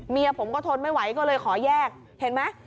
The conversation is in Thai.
เมียผมก็ทนไม่ไหวก็เลยขอแยกเห็นไหม